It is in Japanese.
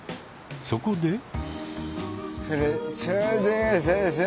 そこで。